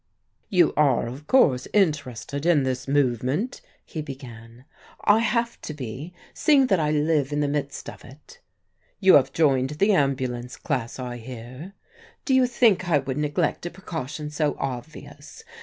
"You are, of course, interested in this movement?" he began. "I have to be, seeing that I live in the midst of it." "You have joined the Ambulance Class, I hear." "Do you think I would neglect a precaution so obvious?